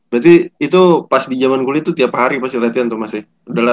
berarti itu pas di jaman kuliah itu tiap hari pasti latihan tuh mas ya